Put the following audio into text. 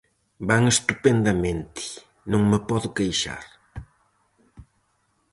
Van estupendamente, non me podo queixar.